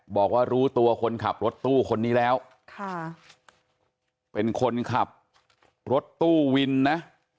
บอกว่ารู้ตัวคนขับรถตู้คนนี้แล้วค่ะเป็นคนขับรถตู้วินนะ